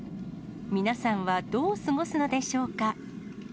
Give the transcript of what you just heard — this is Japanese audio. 皆さんはどう過ごすのでしょうか。